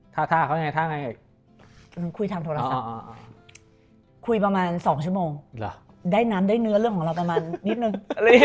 คุยทางโทรศัพท์คุยประมาณ๒ชั่วโมงได้น้ำได้เนื้อเรื่องของเรานิดนึง